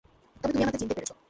তবে তুমি আমাকে চিনতে পেরেছো।